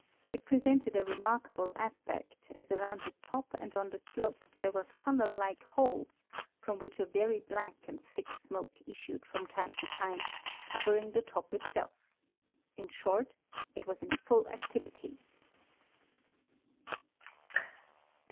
It pre sented a remarkable aspect, as around the top and on the slopes there were funnel like holes, from which a very black and thick smoke issued from time to time, covering the top itself. In short, it was in full activity.